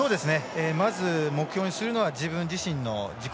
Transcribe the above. まず、目標にするのは自分自身の自己